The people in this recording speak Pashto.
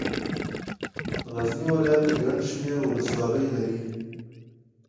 غزني ولايت ګڼ شمېر ولسوالۍ لري.